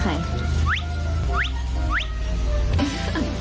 แบบผ่านลูกเท้า